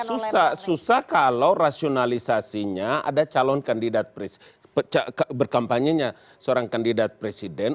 susah susah kalau rasionalisasinya ada calon kandidat presiden berkampanye nya seorang kandidat presiden